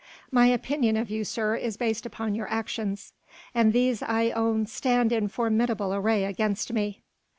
"My opinion of you, sir, is based upon your actions." "And these I own stand in formidable array against me."